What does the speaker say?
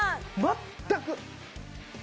全く。